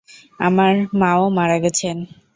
আমার মা-ও মারা গেছেন।